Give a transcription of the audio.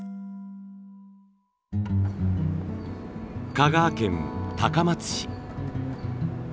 香川県高松市。